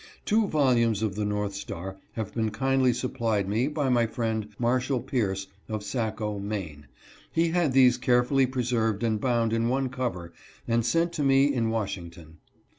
Two volumes of the North Star have been kindly supplied me, by my friend, Marshall Pierce, of Saco, Me. He had these carefully preserved and bound in one cover and sent to me in Washington.